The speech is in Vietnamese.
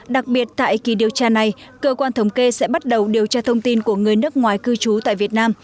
đặc biệt tại kỳ điều tra này cơ quan thống kê sẽ bắt đầu điều tra thông tin của người nước ngoài cư trú tại việt nam